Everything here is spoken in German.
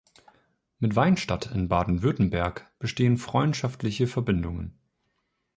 Mit Weinstadt in Baden-Württemberg bestehen freundschaftliche Verbindungen.